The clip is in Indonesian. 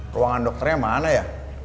ruangan dokternya mana ya